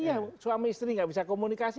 ya suami istri gak bisa komunikasi